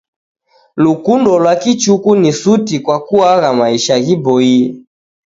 Lukundo lwa kichuku ni suti kwa kuagha maisha ghiboie.